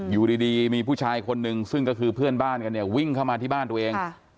อยู่ดีมีผู้ชายคนนึงซึ่งก็คือเพื่อนบ้านกันเนี่ยวิ่งเข้ามาที่บ้านตัวเอง